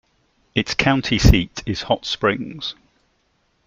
Its county seat is Hot Springs.